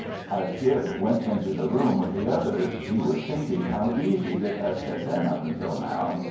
As Gib went into the room with the others, he was thinking how easy the test had been up until now.